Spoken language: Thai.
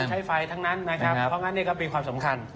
ใช้ไฟทั้งนั้นนะครับเพราะงั้นนี่ก็เป็นความสำคัญ